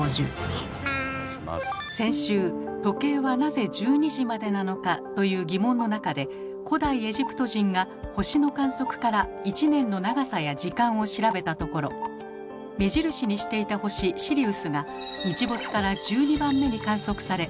先週「時計はなぜ１２時までなのか？」という疑問の中で古代エジプト人が星の観測から１年の長さや時間を調べたところ目印にしていた星シリウスが日没から１２番目に観測され